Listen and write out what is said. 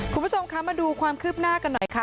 คุณผู้ชมคะมาดูความคืบหน้ากันหน่อยค่ะ